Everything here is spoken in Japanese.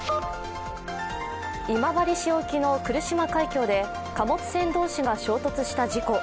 今治市沖の来島海峡で貨物船同士が衝突した事故。